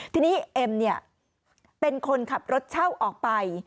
ทีนี้เอ็มเนี่ยเป็นคนขับรถเช่าออกไป